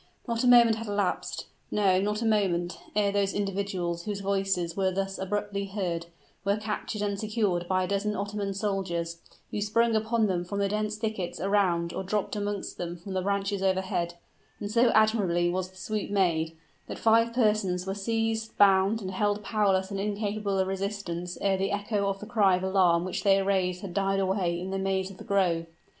Not a moment had elapsed no, not a moment ere those individuals whose voices were thus abruptly heard, were captured and secured by a dozen Ottoman soldiers, who sprung upon them from the dense thickets around or dropped amongst them from the branches overhead and so admirably was the swoop made, that five persons were seized, bound and held powerless and incapable of resistance ere the echo of the cry of alarm which they raised had died away in the maze of the grove.